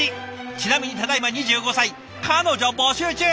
ちなみにただいま２５歳彼女募集中！